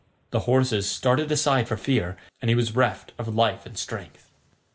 The horses started aside for fear, and he was reft of life and strength.